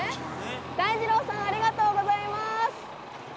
大二郎さん、ありがとうございます。